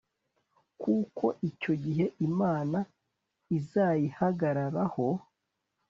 kuko icyo gihe imana izayihagararaho